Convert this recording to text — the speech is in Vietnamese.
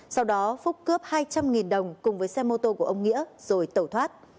sau đó phúc cướp hai trăm linh đồng cùng với xe mô tô của ông nghĩa rồi tẩu thoát